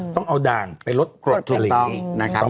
ต้องเอาด่างไปลดกรดแบบนี้ถูกต้องนะครับ